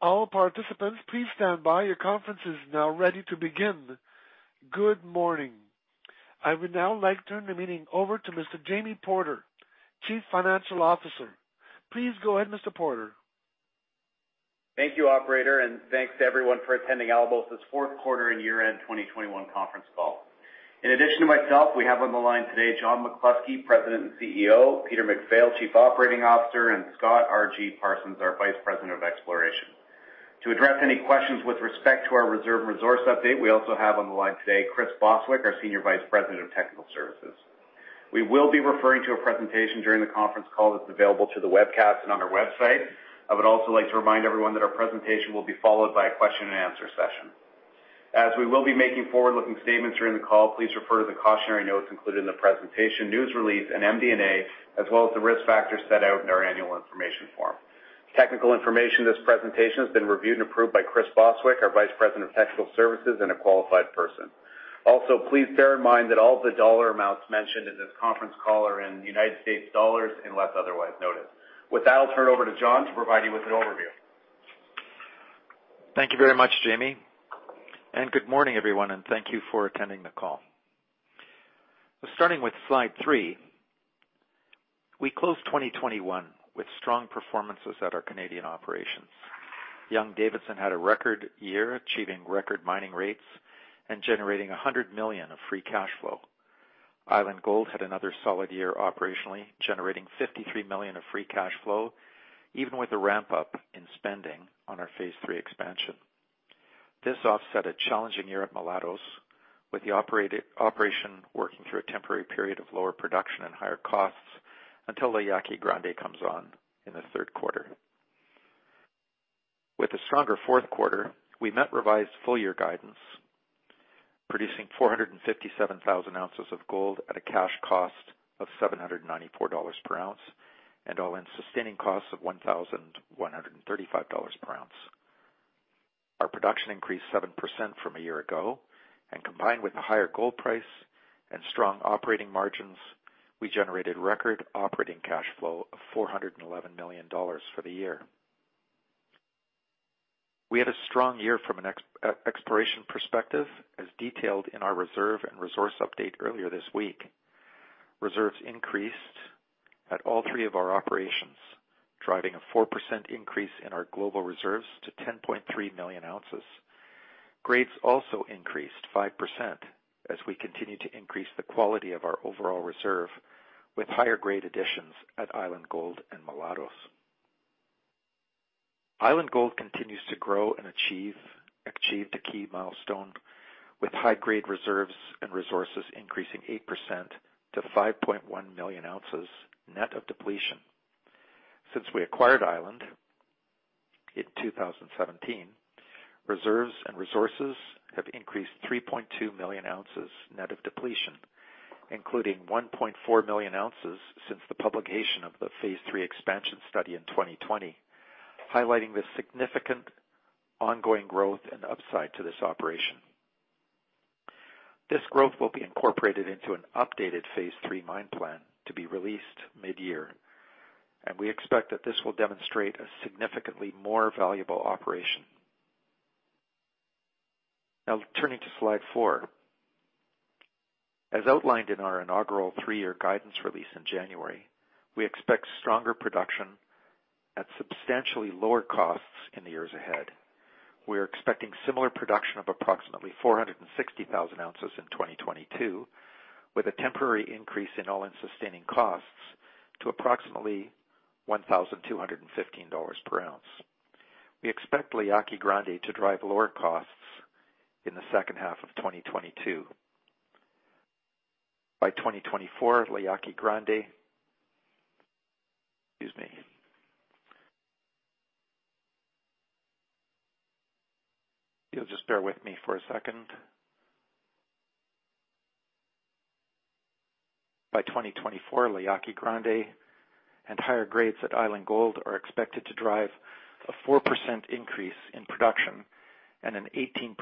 Good morning. I would now like to turn the meeting over to Mr. Jamie Porter, Chief Financial Officer. Please go ahead, Mr. Porter. Thank you, operator, and thanks to everyone for attending Alamos' fourth quarter and year-end 2021 conference call. In addition to myself, we have on the line today John McCluskey, President and CEO, Peter MacPhail, Chief Operating Officer, and Scott R.G. Parsons, our Vice President of Exploration. To address any questions with respect to our reserve resource update, we also have on the line today Chris Bostwick, our Senior Vice President of Technical Services. We will be referring to a presentation during the conference call that's available through the webcast and on our website. I would also like to remind everyone that our presentation will be followed by a question-and-answer session. As we will be making forward-looking statements during the call, please refer to the cautionary notes included in the presentation, news release, and MD&A, as well as the risk factors set out in our annual information form. Technical information in this presentation has been reviewed and approved by Chris Bostwick, our Senior Vice President, Technical Services, and a qualified person. Please bear in mind that all the dollar amounts mentioned in this conference call are in United States dollars unless otherwise noted. With that, I'll turn over to John to provide you with an overview. Thank you very much, Jamie. Good morning, everyone, and thank you for attending the call. Starting with slide three, we closed 2021 with strong performances at our Canadian operations. Young-Davidson had a record year, achieving record mining rates and generating $100 million of free cash flow. Island Gold had another solid year operationally, generating $53 million of free cash flow, even with a ramp-up in spending on our Phase III Expansion. This offset a challenging year at Mulatos, with the operation working through a temporary period of lower production and higher costs until La Yaqui Grande comes on in the third quarter. With a stronger fourth quarter, we met revised full-year guidance, producing 457,000 ounces of gold at a cash cost of $794 per ounce, and all-in sustaining costs of $1,135 per ounce. Our production increased 7% from a year ago, and combined with the higher gold price and strong operating margins, we generated record operating cash flow of $411 million for the year. We had a strong year from an exploration perspective, as detailed in our reserve and resource update earlier this week. Reserves increased at all three of our operations, driving a 4% increase in our global reserves to 10.3 million ounces. Grades also increased 5% as we continue to increase the quality of our overall reserve with higher grade additions at Island Gold and Mulatos. Island Gold continues to grow and achieved a key milestone with high grade reserves and resources increasing 8% to 5.1 million ounces net of depletion. Since we acquired Island in 2017, reserves and resources have increased 3.2 million ounces net of depletion, including 1.4 million ounces since the publication of the Phase III Expansion study in 2020, highlighting the significant ongoing growth and upside to this operation. This growth will be incorporated into an updated Phase III mine plan to be released mid-year, and we expect that this will demonstrate a significantly more valuable operation. Now turning to Slide four. As outlined in our inaugural three-year guidance release in January, we expect stronger production at substantially lower costs in the years ahead. We are expecting similar production of approximately 460,000 ounces in 2022, with a temporary increase in all-in sustaining costs to approximately $1,215 per ounce. We expect La Yaqui Grande to drive lower costs in the second half of 2022. By 2024, La Yaqui Grande and higher grades at Island Gold are expected to drive a 4% increase in production and an 18%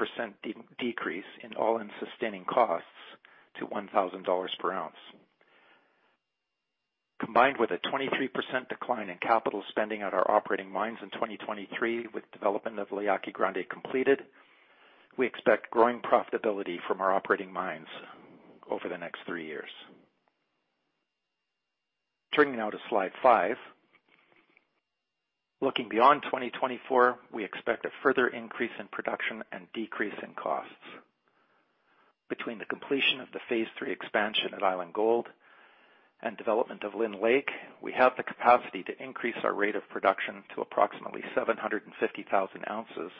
decrease in all-in sustaining costs to $1,000 per ounce. Combined with a 23% decline in capital spending at our operating mines in 2023, with development of La Yaqui Grande completed, we expect growing profitability from our operating mines over the next three years. Turning now to slide five. Looking beyond 2024, we expect a further increase in production and decrease in costs. Between the completion of the Phase III Expansion at Island Gold and development of Lynn Lake, we have the capacity to increase our rate of production to approximately 750,000 ounces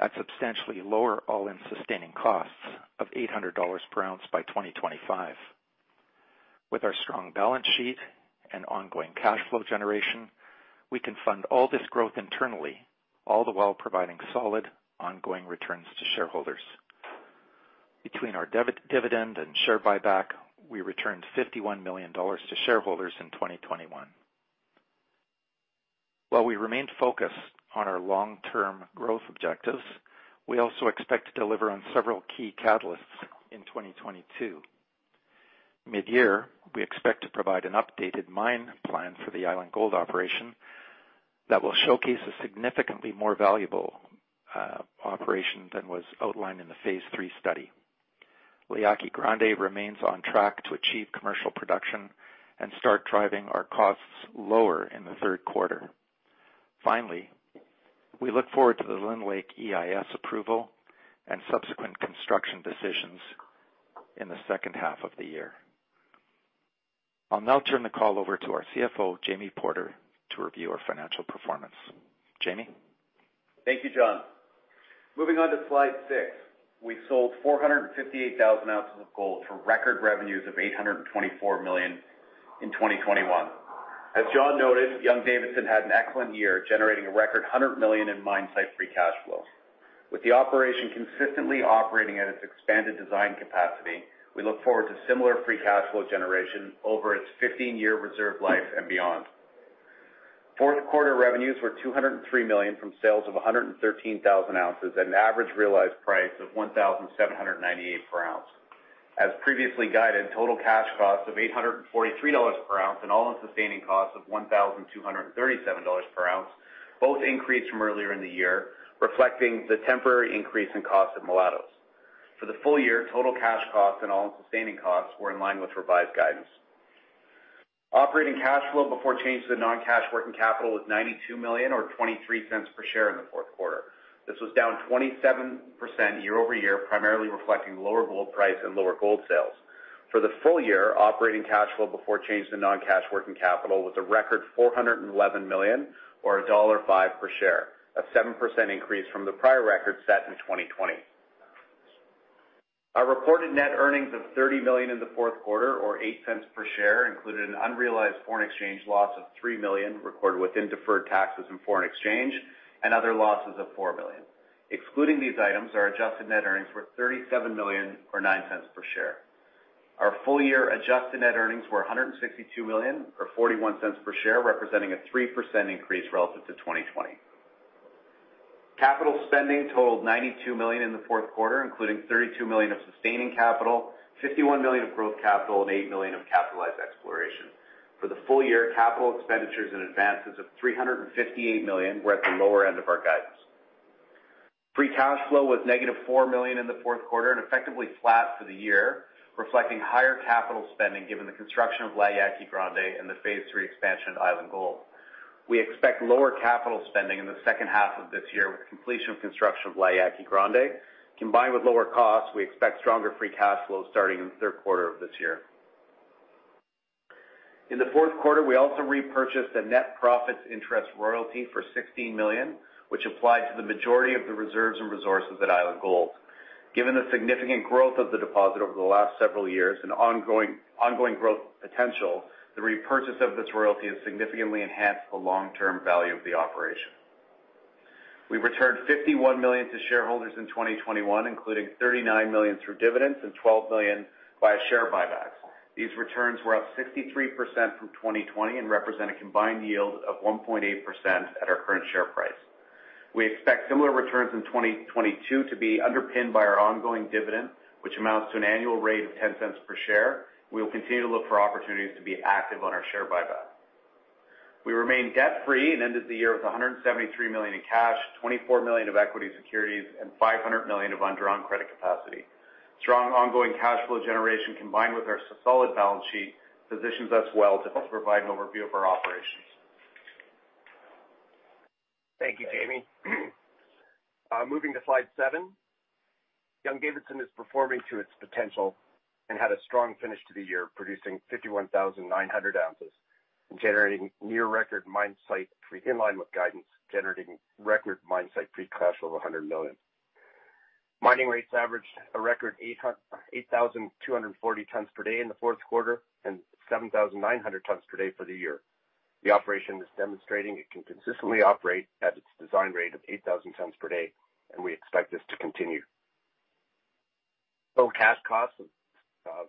at substantially lower all-in sustaining costs of $800 per ounce by 2025. With our strong balance sheet and ongoing cash flow generation, we can fund all this growth internally, all the while providing solid ongoing returns to shareholders. Between our dividend and share buyback, we returned $51 million to shareholders in 2021. While we remain focused on our long-term growth objectives, we also expect to deliver on several key catalysts in 2022. Mid-year, we expect to provide an updated mine plan for the Island Gold operation that will showcase a significantly more valuable operation than was outlined in the Phase III study. La Yaqui Grande remains on track to achieve commercial production and start driving our costs lower in the third quarter. Finally, we look forward to the Lynn Lake EIS approval and subsequent construction decisions in the second half of the year. I'll now turn the call over to our CFO, Jamie Porter, to review our financial performance. Jamie? Thank you, John. Moving on to slide 6. We sold 458,000 ounces of gold for record revenues of $824 million in 2021. As John noted, Young-Davidson had an excellent year, generating a record $100 million in mine-site free cash flow. With the operation consistently operating at its expanded design capacity, we look forward to similar free cash flow generation over its 15-year reserve life and beyond. Fourth quarter revenues were $203 million from sales of 113,000 ounces at an average realized price of $1,798 per ounce. As previously guided, total cash costs of $843 per ounce and all-in sustaining costs of $1,237 per ounce both increased from earlier in the year, reflecting the temporary increase in costs at Mulatos. For the full year, total cash costs and all-in sustaining costs were in line with revised guidance. Operating cash flow before change to the non-cash working capital was $92 million or $0.23 per share in the fourth quarter. This was down 27% year-over-year, primarily reflecting lower gold price and lower gold sales. For the full year, operating cash flow before change to non-cash working capital was a record $411 million or $1.05 per share, a 7% increase from the prior record set in 2020. Our reported net earnings of $30 million in the fourth quarter or $0.08 per share included an unrealized foreign exchange loss of $3 million recorded within deferred taxes and foreign exchange and other losses of $4 million. Excluding these items, our adjusted net earnings were $37 million or $0.09 per share. Our full year adjusted net earnings were $162 million or $0.41 per share, representing a 3% increase relative to 2020. Capital spending totaled $92 million in the fourth quarter, including $32 million of sustaining capital, $51 million of growth capital, and $8 million of capitalized exploration. For the full year, capital expenditures and advances of $358 million were at the lower end of our guidance. Free cash flow was -$4 million in the fourth quarter and effectively flat for the year, reflecting higher capital spending given the construction of La Yaqui Grande and the Phase III Expansion at Island Gold. We expect lower capital spending in the second half of this year with completion of construction of La Yaqui Grande. Combined with lower costs, we expect stronger free cash flow starting in the third quarter of this year. In the fourth quarter, we also repurchased a net profits interest royalty for $16 million, which applied to the majority of the reserves and resources at Island Gold. Given the significant growth of the deposit over the last several years and ongoing growth potential, the repurchase of this royalty has significantly enhanced the long-term value of the operation. We returned $51 million to shareholders in 2021, including $39 million through dividends and $12 million by share buybacks. These returns were up 63% from 2020 and represent a combined yield of 1.8% at our current share price. We expect similar returns in 2022 to be underpinned by our ongoing dividend, which amounts to an annual rate of $0.10 per share. We will continue to look for opportunities to be active on our share buyback. We remain debt-free and ended the year with $173 million in cash, $24 million of equity securities, and $500 million of undrawn credit capacity. Strong ongoing cash flow generation combined with our solid balance sheet positions us well to provide an overview of our operations. Thank you, Jamie. Moving to slide seven. Young-Davidson is performing to its potential and had a strong finish to the year, producing 51,900 ounces and generating near record mine site free cash with guidance, generating record mine site free cash flow of $100 million. Mining rates averaged a record 8,240 tons per day in the fourth quarter and 7,900 tons per day for the year. The operation is demonstrating it can consistently operate at its design rate of 8,000 tons per day, and we expect this to continue. Total cash costs of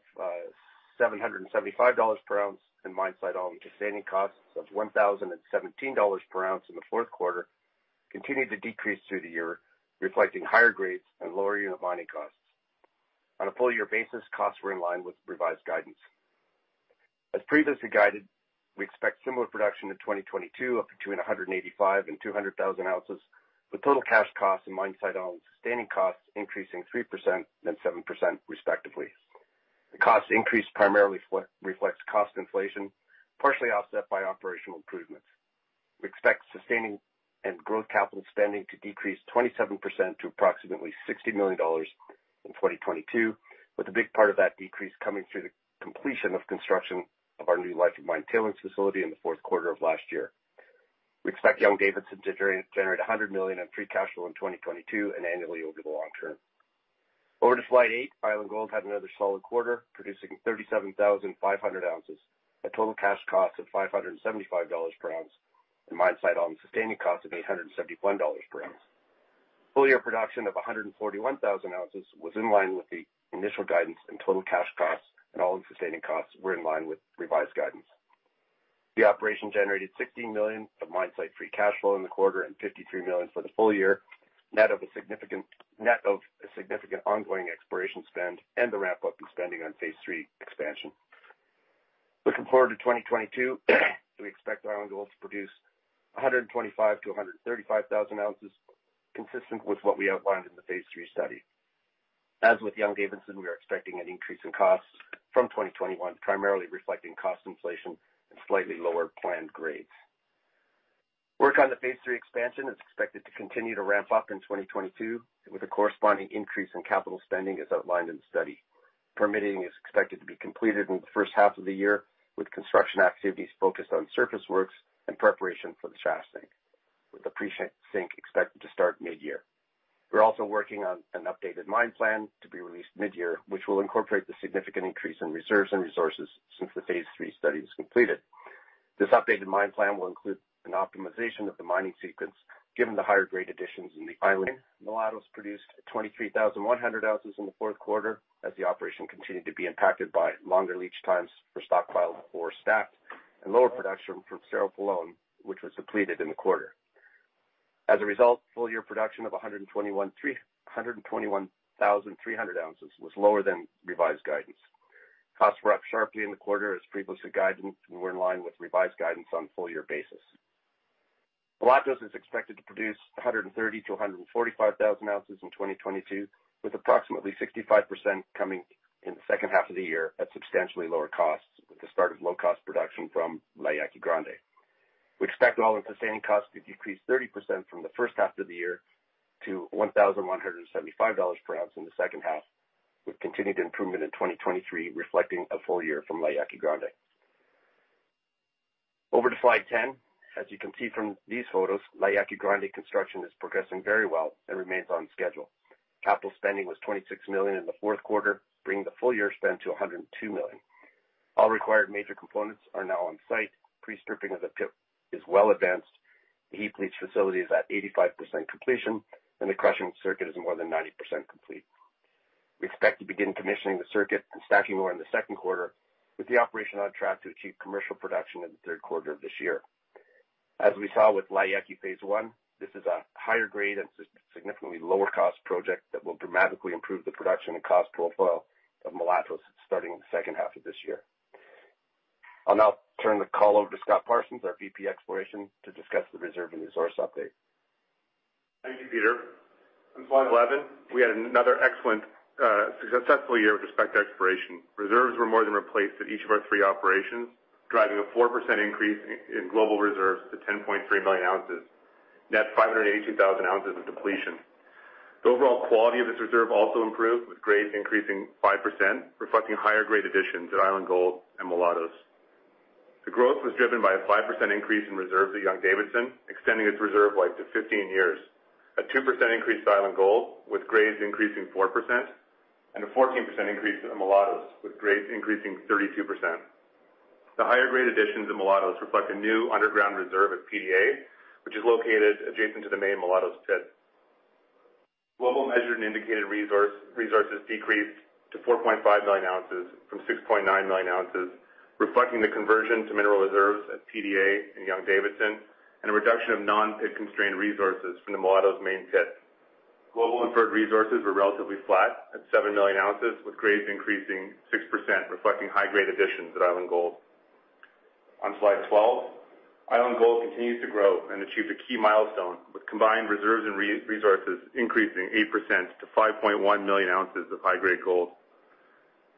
$775 per ounce and mine site all-in sustaining costs of $1,017 per ounce in the fourth quarter continued to decrease through the year, reflecting higher grades and lower unit mining costs. On a full year basis, costs were in line with revised guidance. As previously guided, we expect similar production in 2022 of between 185,000 and 200,000 ounces, with total cash costs and mine site all-in sustaining costs increasing 3% and 7% respectively. The cost increase primarily reflects cost inflation, partially offset by operational improvements. We expect sustaining and growth capital spending to decrease 27% to approximately $60 million in 2022, with a big part of that decrease coming through the completion of construction of our new life-of-mine tailings facility in the fourth quarter of last year. We expect Young-Davidson to generate $100 million in free cash flow in 2022 and annually over the long term. Over to slide eight, Island Gold had another solid quarter, producing 37,500 ounces at total cash cost of $575 per ounce and mine site all-in sustaining cost of $871 per ounce. Full-year production of 141,000 ounces was in line with the initial guidance and total cash costs, and all-in sustaining costs were in line with revised guidance. The operation generated $16 million of mine site free cash flow in the quarter and $53 million for the full year, net of a significant ongoing exploration spend and the ramp-up in spending on Phase III Expansion. Looking forward to 2022, we expect Island Gold to produce 125,000-135,000 ounces, consistent with what we outlined in the Phase III study. As with Young-Davidson, we are expecting an increase in costs from 2021, primarily reflecting cost inflation and slightly lower planned grades. Work on the Phase III Expansion is expected to continue to ramp up in 2022, with a corresponding increase in capital spending as outlined in the study. Permitting is expected to be completed in the first half of the year, with construction activities focused on surface works and preparation for the shaft sink, with the pre-sink expected to start mid-year. We're also working on an updated mine plan to be released mid-year, which will incorporate the significant increase in reserves and resources since the Phase III study was completed. This updated mine plan will include an optimization of the mining sequence, given the higher grade additions in the Island. Mulatos produced 23,100 ounces in the fourth quarter as the operation continued to be impacted by longer leach times for stockpiled ore stacked and lower production from Cerro Pelon, which was depleted in the quarter. As a result, full-year production of 121,300 ounces was lower than revised guidance. Costs were up sharply in the quarter as previously guided and were in line with revised guidance on full-year basis. Mulatos is expected to produce 130,000-145,000 ounces in 2022, with approximately 65% coming in the second half of the year at substantially lower costs, with the start of low-cost production from La Yaqui Grande. We expect all-in sustaining costs to decrease 30% from the first half of the year to $1,175 per ounce in the second half, with continued improvement in 2023 reflecting a full year from La Yaqui Grande. Over to slide 10. As you can see from these photos, La Yaqui Grande construction is progressing very well and remains on schedule. Capital spending was $26 million in the fourth quarter, bringing the full year spend to $102 million. All required major components are now on site. Pre-stripping of the pit is well advanced. The heap leach facility is at 85% completion, and the crushing circuit is more than 90% complete. We expect to begin commissioning the circuit and stacking ore in the second quarter, with the operation on track to achieve commercial production in the third quarter of this year. As we saw with La Yaqui phase, this is a higher grade and significantly lower cost project that will dramatically improve the production and cost profile of Mulatos starting in the second half of this year. I'll now turn the call over to Scott R.G. Parsons, our VP Exploration, to discuss the reserve and resource update. Thank you, Peter. On slide 11, we had another excellent, successful year with respect to exploration. Reserves were more than replaced at each of our three operations, driving a 4% increase in global reserves to 10.3 million ounces, net 582,000 ounces of depletion. The overall quality of this reserve also improved, with grades increasing 5%, reflecting higher grade additions at Island Gold and Mulatos. The growth was driven by a 5% increase in reserves at Young-Davidson, extending its reserve life to 15 years. A 2% increase to Island Gold, with grades increasing 4%, and a 14% increase at Mulatos, with grades increasing 32%. The higher grade additions in Mulatos reflect a new underground reserve at PDA, which is located adjacent to the main Mulatos pit. Global measured and indicated resources decreased to 4.5 million ounces from 6.9 million ounces, reflecting the conversion to mineral reserves at PDA in Young-Davidson and a reduction of non-pit constrained resources from the Mulatos main pit. Global inferred resources were relatively flat at 7 million ounces, with grades increasing 6%, reflecting high grade additions at Island Gold. On slide 12, Island Gold continues to grow and achieved a key milestone with combined reserves and resources increasing 8% to 5.1 million ounces of high-grade gold.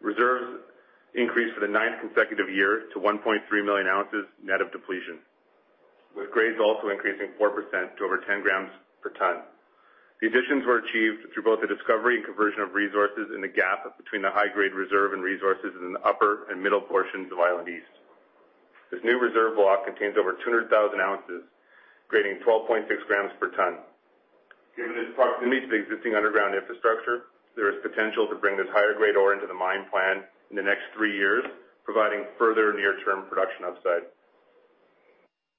Reserves increased for the 9th consecutive year to 1.3 million ounces net of depletion, with grades also increasing 4% to over 10 grams per tonne. The additions were achieved through both the discovery and conversion of resources in the gap between the high-grade reserve and resources in the upper and middle portions of Island East. This new reserve block contains over 200,000 ounces, grading 12.6 grams per tonne. Given its proximity to the existing underground infrastructure, there is potential to bring this higher-grade ore into the mine plan in the next three years, providing further near-term production upside.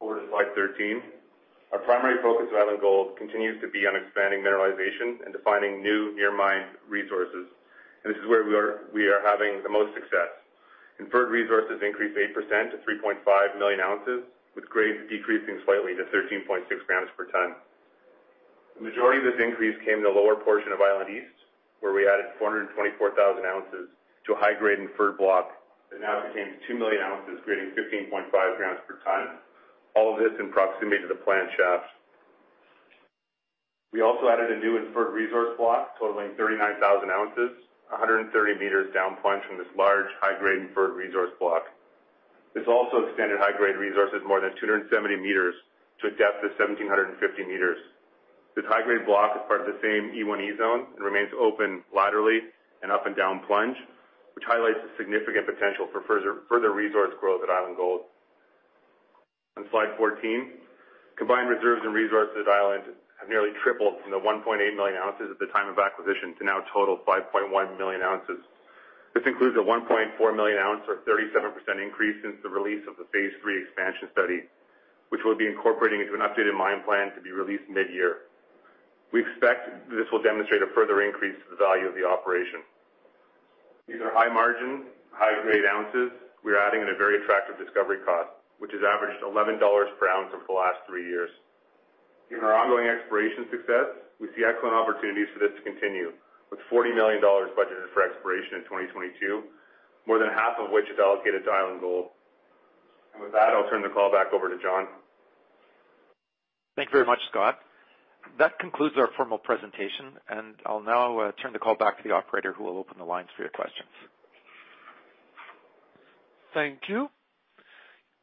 Over to slide 13. Our primary focus at Island Gold continues to be on expanding mineralization and defining new near-mine resources, and this is where we are having the most success. Inferred resources increased 8% to 3.5 million ounces, with grades decreasing slightly to 13.6 grams per tonne. The majority of this increase came in the lower portion of Island East, where we added 424,000 ounces to a high-grade inferred block that now contains 2 million ounces, grading 15.5 grams per tonne, all of this in proximity to the planned shaft. We also added a new inferred resource block totaling 39,000 ounces, 130 meters down plunge from this large high-grade inferred resource block. This also extended high-grade resources more than 270 meters to a depth of 1,750 meters. This high-grade block is part of the same E1E Zone and remains open laterally and up and down plunge, which highlights the significant potential for further resource growth at Island Gold. On slide 14, combined reserves and resources at Island have nearly tripled from the 1.8 million ounces at the time of acquisition to now total 5.1 million ounces. This includes a 1.4 million ounce or 37% increase since the release of the Phase III Expansion study, which we'll be incorporating into an updated mine plan to be released mid-year. We expect this will demonstrate a further increase to the value of the operation. These are high margin, high grade ounces we're adding at a very attractive discovery cost, which has averaged $11 per ounce over the last three years. Given our ongoing exploration success, we see excellent opportunities for this to continue, with $40 million budgeted for exploration in 2022, more than half of which is allocated to Island Gold. With that, I'll turn the call back over to John. Thank you very much, Scott. That concludes our formal presentation, and I'll now turn the call back to the operator, who will open the lines for your questions. Thank you.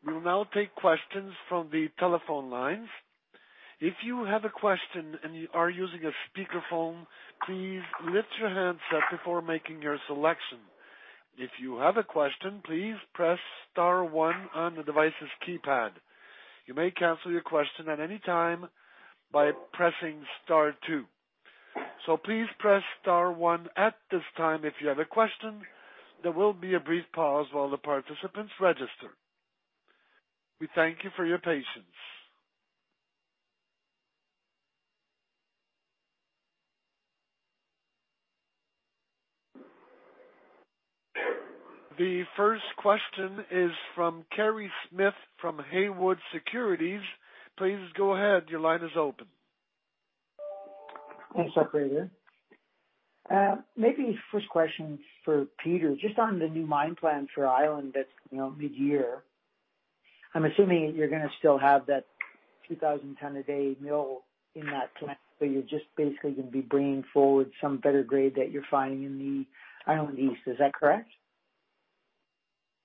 We will now take questions from the telephone lines. If you have a question and you are using a speakerphone, please lift your handset before making your selection. If you have a question, please press star one on the device's keypad. You may cancel your question at any time by pressing star two. Please press star one at this time if you have a question. There will be a brief pause while the participants register. We thank you for your patience. The first question is from Kerry Smith from Haywood Securities. Please go ahead. Your line is open. Thanks, operator. Maybe first question for Peter. Just on the new mine plan for Island that's, you know, midyear. I'm assuming you're gonna still have that 2,000 ton a day mill in that plan, so you're just basically gonna be bringing forward some better grade that you're finding in the Island East. Is that correct?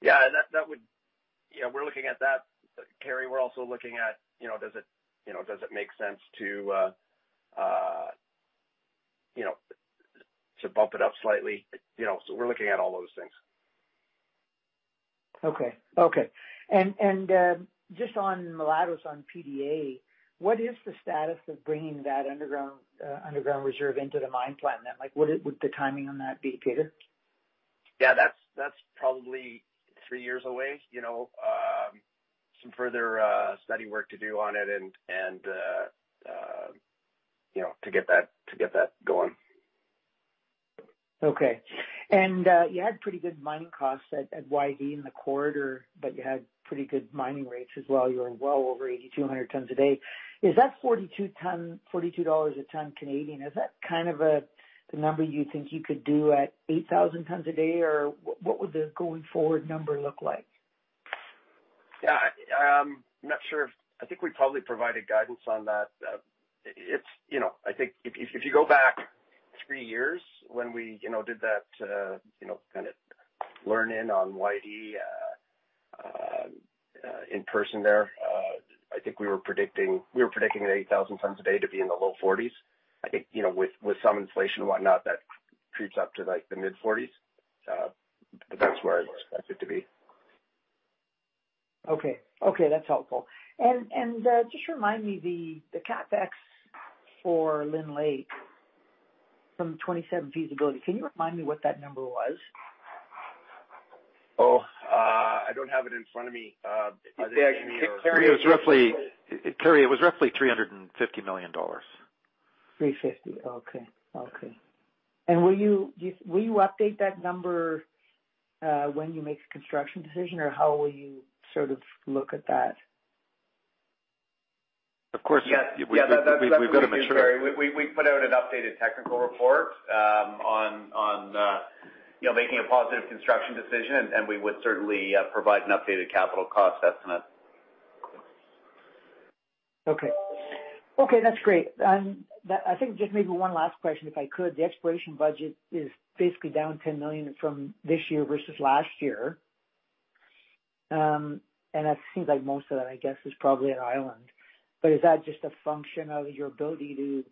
Yeah, that would. Yeah, we're looking at that, Kerry. We're also looking at, you know, does it, you know, does it make sense to, you know, to bump it up slightly? You know, so we're looking at all those things. Just on Mulatos, on PDA, what is the status of bringing that underground reserve into the mine plan? Like, what would the timing on that be, Peter? Yeah, that's probably three years away. You know, some further study work to do on it and, you know, to get that going. Okay. You had pretty good mining costs at YD in the quarter, but you had pretty good mining rates as well. You were well over 8,200 tons a day. Is that 42 a ton, is that kind of a, the number you think you could do at 8,000 tons a day, or what would the going forward number look like? Yeah, I'm not sure. I think we probably provided guidance on that. It's, you know, I think if you go back three years when we, you know, did that, you know, kind of leaning on YD in person there, I think we were predicting at 8,000 tons a day to be in the low $40s. I think, you know, with some inflation and whatnot, that creeps up to, like, the mid $40s. That's where I would expect it to be. Okay, that's helpful. Just remind me, the CapEx for Lynn Lake from 27 feasibility, can you remind me what that number was? I don't have it in front of me. It may actually be Kerry, it was roughly $350 million. 350. Okay. Will you update that number when you make the construction decision, or how will you sort of look at that? Of course. Yes. Yeah, that's what we do, Kerry. We put out an updated technical report on you know, making a positive construction decision, and we would certainly provide an updated capital cost estimate. Okay. Okay, that's great. I think just maybe one last question, if I could. The exploration budget is basically down $10 million from this year versus last year. That seems like most of that, I guess, is probably on Island. Is that just a function of your ability to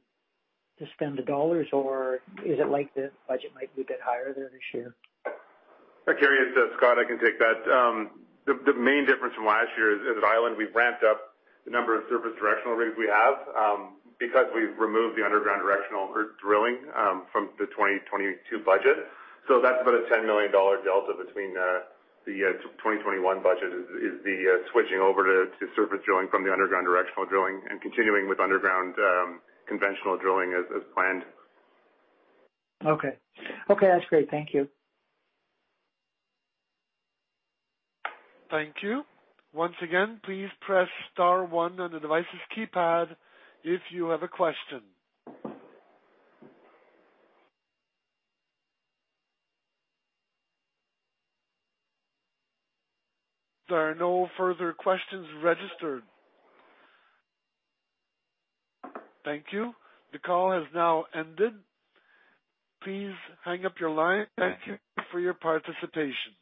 spend the dollars, or is it like the budget might be a bit higher there this year? Kerry, it's Scott. I can take that. The main difference from last year is at Island, we've ramped up the number of surface directional rigs we have, because we've removed the underground directional drilling from the 2022 budget. That's about a $10 million delta between the 2021 budget is the switching over to surface drilling from the underground directional drilling and continuing with underground conventional drilling as planned. Okay. Okay, that's great. Thank you. Thank you. Once again, please press star one on the device's keypad if you have a question. There are no further questions registered. Thank you. The call has now ended. Please hang up your line. Thank you for your participation.